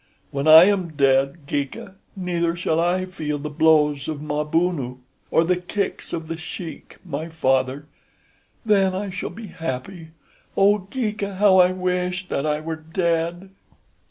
When I am dead, Geeka, neither shall I feel the blows of Mabunu, or the kicks of The Sheik, my father. Then shall I be happy. Oh, Geeka, how I wish that I were dead!"